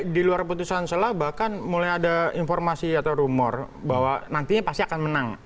di luar putusan selah bahkan mulai ada informasi atau rumor bahwa nantinya pasti akan menang